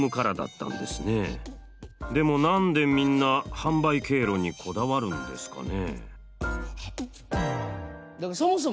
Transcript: でも何でみんな販売経路にこだわるんですかね？